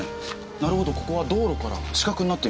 なるほどここは道路から死角になっています。